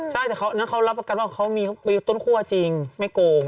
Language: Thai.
ใช่แต่เขานั่นเขารับประกันว่าเขามีต้นขั้วจริงไม่โกง